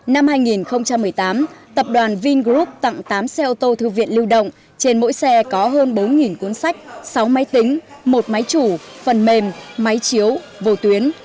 năm hai nghìn một mươi tám tập đoàn vingroup tặng tám xe ô tô thư viện lưu động trên mỗi xe có hơn bốn cuốn sách sáu máy tính một máy chủ phần mềm máy chiếu vô tuyến